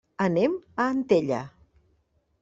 Anem a Antella.